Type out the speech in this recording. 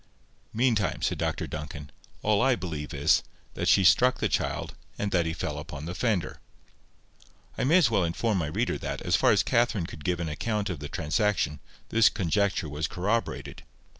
"Meantime," said Dr Duncan, "all I believe is, that she struck the child, and that he fell upon the fender." I may as well inform my reader that, as far as Catherine could give an account of the transaction, this conjecture was corroborated.